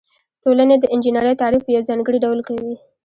ټولنې د انجنیری تعریف په یو ځانګړي ډول کوي.